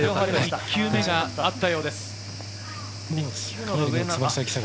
１球目があったようです。